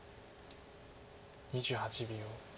２８秒。